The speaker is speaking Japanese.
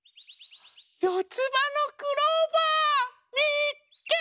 よつばのクローバー！みっけ！